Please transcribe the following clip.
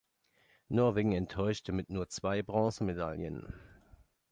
Norwegen enttäuschte mit nur zwei Bronzemedaillen.